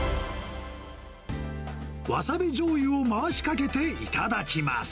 わさびじょうゆを回しかけて頂きます。